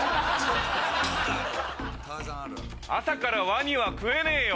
朝からワニは食えねえよ。